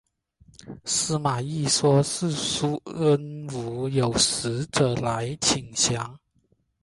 司马懿说是孙吴有使者来请降。